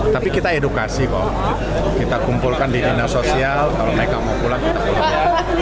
tapi kita edukasi kok kita kumpulkan di dinas sosial kalau mereka mau pulang kita pulang